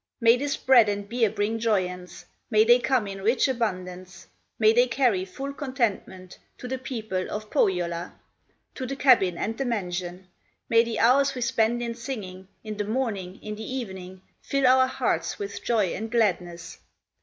May this bread and beer bring joyance, May they come in rich abundance, May they carry full contentment To the people of Pohyola, To the cabin and the mansion; May the hours we spend in singing, In the morning, in the evening, Fill our hearts with joy and gladness!